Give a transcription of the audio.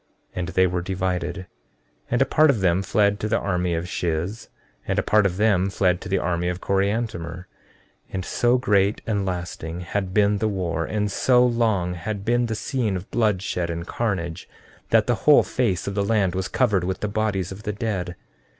14:20 And they were divided; and a part of them fled to the army of Shiz, and a part of them fled to the army of Coriantumr. 14:21 And so great and lasting had been the war, and so long had been the scene of bloodshed and carnage, that the whole face of the land was covered with the bodies of the dead.